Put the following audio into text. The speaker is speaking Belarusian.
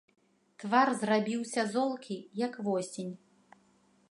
Твар зрабіўся золкі, як восень.